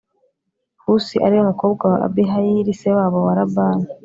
husi ari we mukobwa wa Abihayili se wabo wa rabani